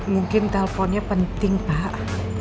mungkin telfonnya penting pak